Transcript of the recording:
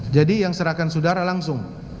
jadi yang serahkan saudara langsung